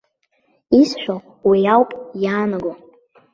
Исҳәо уи ауп иаанаго.